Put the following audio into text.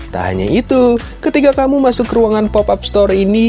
tak hanya itu ketika kamu masuk ruangan pop up store ini